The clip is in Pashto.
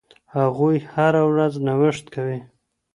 هغوی هره ورځ نوښت کوي.